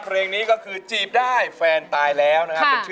เพลงนี้ก็คือจีบได้แฟนตายแล้วนะครับ